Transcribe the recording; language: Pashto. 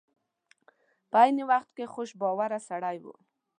په عین وخت کې خوش باوره سړی و.